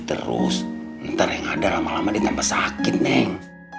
terus ntar yang ada lama lama ditambah sakit neng